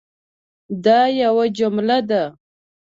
دا یوه جمله ده